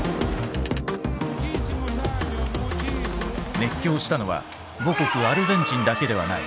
熱狂したのは母国アルゼンチンだけではない。